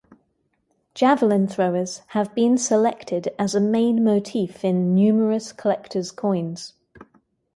Javelin throwers have been selected as a main motif in numerous collectors' coins.